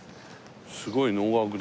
すごい能楽堂。